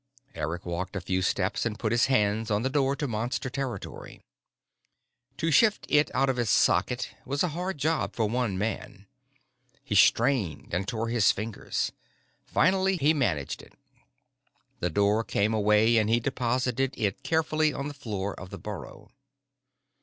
Eric walked a few steps and put his hands on the door to Monster territory. To shift it out of its socket was a hard job for one man. He strained and tore his fingers; finally he managed it. The door came away and he deposited it carefully on the floor of the burrow.